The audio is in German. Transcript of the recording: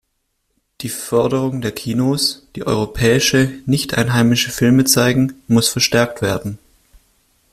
Die Förderung der Kinos, die europäische, nichteinheimische Filme zeigen, muss verstärkt werden.